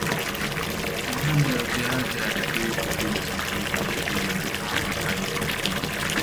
marando ya viazi hayatakiwi kuzidi sentimita ishirini na tano hadi thelathini